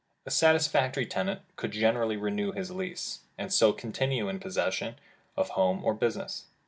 A satisfactory tenant could generally renew his lease, and so continue in possession of home or business.